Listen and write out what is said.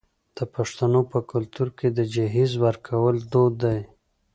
د پښتنو په کلتور کې د جهیز ورکول دود دی.